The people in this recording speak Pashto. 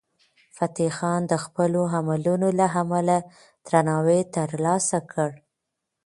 فتح خان د خپلو عملونو له امله درناوی ترلاسه کړ.